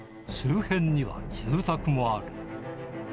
周辺には住宅もある。